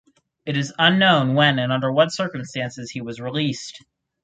It is unknown when and under what circumstances he was released.